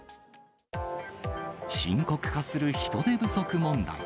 深刻化する人手不足問題。